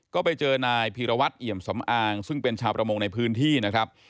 ก็ไปเจอนายพีรวัตรเอี่ยมสำอางซึ่งเป็นชาวประมงในพื้นที่นะครับ